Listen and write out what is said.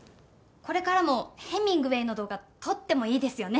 これからもヘミングウェイの動画撮ってもいいですよね？